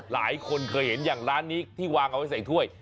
หลายคนเคยเห็นอย่างร้านนี้ที่วางเอาไว้ใส่ถ้วย